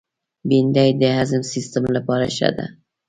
بېنډۍ د هضم سیستم لپاره ښه ده